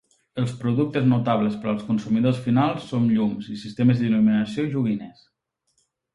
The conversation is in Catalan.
Els productes notables per als consumidors finals són llums i sistemes d'il·luminació i joguines.